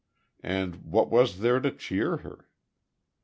And what was there to cheer her?